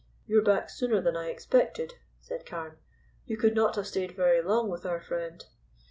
"You're back sooner than I expected," said Carne. "You could not have stayed very long with our friend?"